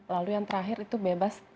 lalu yang terakhir itu bebas